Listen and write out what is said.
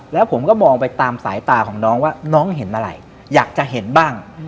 แล้วผมก็มองไปตามสายตาของน้องว่าน้องเห็นอะไรอยากจะเห็นบ้าง